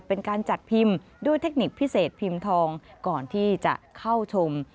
เป็นการจัดพิมพ์ด้วยเทคนิคพิเศษพิมพ์ทองก่อนที่จะเข้าชม